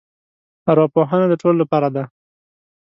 ارواپوهنه د ټولو لپاره دی.